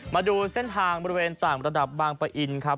มาดูเส้นทางบริเวณต่างระดับบางปะอินครับ